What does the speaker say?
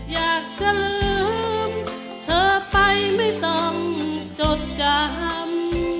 อยากจะลืมเธอไปไม่ต้องจดจำ